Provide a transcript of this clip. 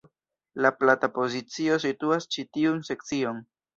La plata pozicio situas ĉi tiun sekcion.